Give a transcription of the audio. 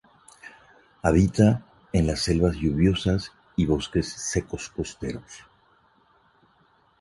Habita en las selvas lluviosas y bosques secos costeros.